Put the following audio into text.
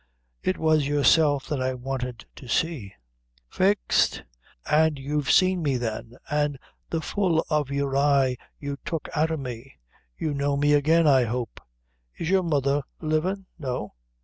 "It was yourself that I wanted to see." "Faix, an' you've seen me, then, an' the full o' your eye you tuck out o' me. You'll know me again, I hope." "Is your mother livin'?" "No."